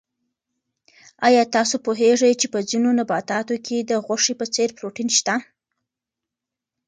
آیا تاسو پوهېږئ چې په ځینو نباتاتو کې د غوښې په څېر پروټین شته؟